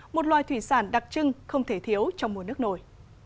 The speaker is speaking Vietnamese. một loài thủy sản đặc trưng không thể thiếu trong mùa nước nổi